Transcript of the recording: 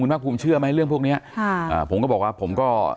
ภาคภูมิเชื่อไหมเรื่องพวกเนี้ยค่ะอ่าผมก็บอกว่าผมก็